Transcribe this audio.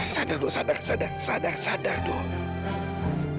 sadar dong sadar sadar sadar sadar dong